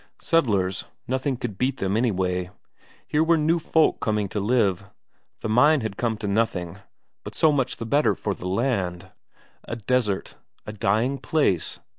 Settlers nothing could beat them, anyway here were new folk coming to live. The mine had come to nothing, but so much the better for the land. A desert, a dying place?